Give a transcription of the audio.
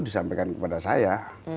disampaikan kepada saya